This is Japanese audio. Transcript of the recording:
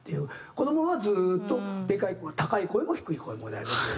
このままずーっとでかい声高い声も低い声も出るっていう。